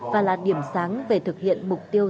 và là điểm sáng về thực hiện mục tiêu